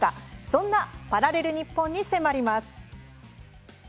そんなパラレルニッポンに迫ります。